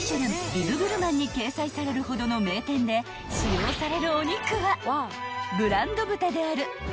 ビブグルマンに掲載されるほどの名店で使用されるお肉はブランド豚である］